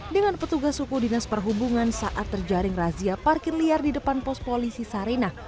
dengan petugas suku dinas perhubungan saat terjaring razia parkir liar di depan pos polisi sarinah